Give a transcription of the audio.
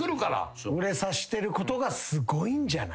売れさしてることがすごいんじゃない。